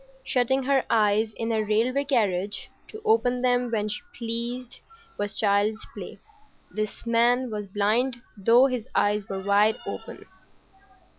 Shutting her eyes in a railway carriage to open them when she pleased was child's play. This man was blind though his eyes were wide open.